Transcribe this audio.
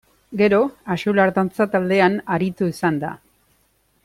Gero Axular Dantza Taldean aritu izan da.